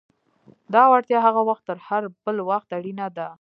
دا وړتیا هغه وخت تر هر بل وخت اړینه ده.